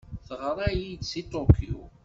Teɣra-iyi-d seg Tokyo.